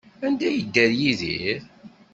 Anda ay yedder Yidir?